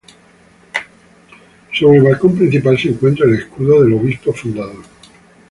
Sobre el balcón principal se encuentra el escudo del obispo fundador.